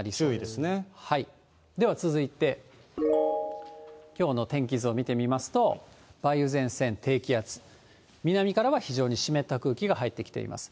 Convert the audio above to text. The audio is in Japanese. では続いて、きょうの天気を見てみますと、梅雨前線、低気圧、南からは非常に湿った空気が入ってきています。